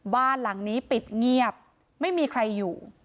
บ้านหลังนี้ปิดเงียบไม่มีใครอยู่